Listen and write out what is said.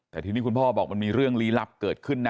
แต่ทีนี้คุณพ่อบอกมันมีเรื่องลี้ลับเกิดขึ้นนะ